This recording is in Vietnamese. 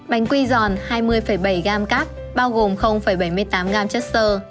bánh quy giòn hai mươi bảy gram cát bao gồm bảy mươi tám gram chất sơ